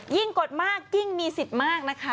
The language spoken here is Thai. กดมากยิ่งมีสิทธิ์มากนะคะ